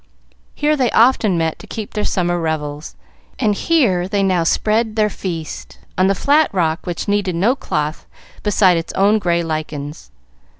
Here they often met to keep their summer revels, and here they now spread their feast on the flat rock which needed no cloth beside its own gray lichens.